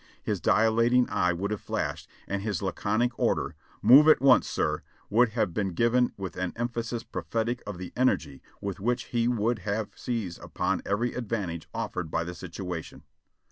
His dilating eye would have flashed, and his laconic order, 'Move at once, sir,' would have been given with an emphasis prophetic of the energy with which he would have seized upon every ad vantage offered by the situation.